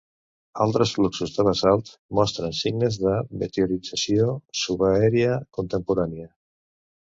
Altres fluxos de basalt mostren signes de meteorització subaèria contemporània.